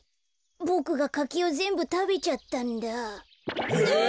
ボクがかきをぜんぶたべちゃったんだ。え！